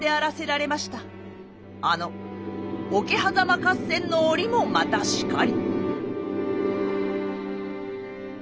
あの桶狭間合戦の折もまたしかり。